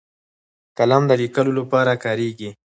قلم د لیکلو لپاره کارېږي